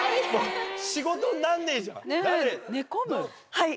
はい！